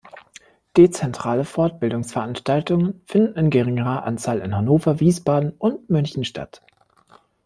Dezentrale Fortbildungsveranstaltungen finden in geringerer Anzahl in Hannover, Wiesbaden und München statt.